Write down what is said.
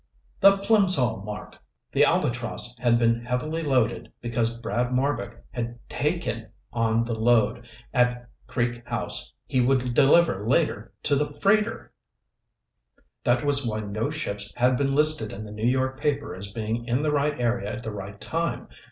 The Plimsoll mark! The Albatross had been heavily loaded because Brad Marbek had taken on the load at Creek House he would deliver later to the freighter. That was why no ships had been listed in the New York paper as being in the right area at the right time.